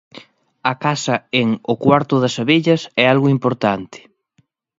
A casa en 'O cuarto das abellas' é algo importante.